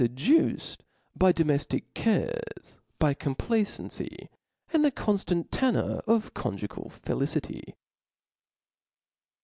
455 duced by domeftic cares, by complacency, and the Book cenftanc tenour of conjugal felicity.